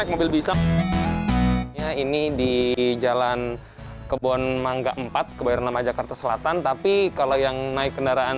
mobil bisa ini di jalan kebon mangga empat kebayoran lama jakarta selatan tapi kalau yang naik kendaraan